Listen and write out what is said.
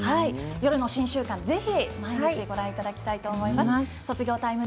夜の新習慣、ぜひ毎日ご覧いただければと思います。